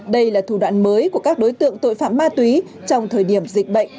đây là thủ đoạn mới của các đối tượng tội phạm ma túy trong thời điểm dịch bệnh